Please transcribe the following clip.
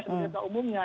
sebagai tua umumnya